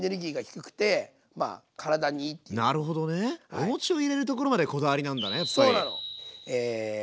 お餅を入れるところまでこだわりなんだねやっぱり。